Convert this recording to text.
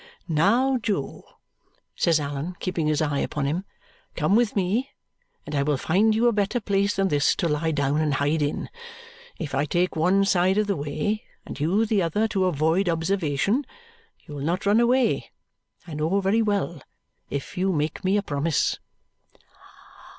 "Now, Jo," says Allan, keeping his eye upon him, "come with me and I will find you a better place than this to lie down and hide in. If I take one side of the way and you the other to avoid observation, you will not run away, I know very well, if you make me a promise."